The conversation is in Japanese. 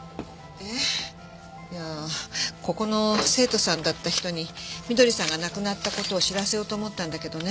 えっいやここの生徒さんだった人に翠さんが亡くなった事を知らせようと思ったんだけどね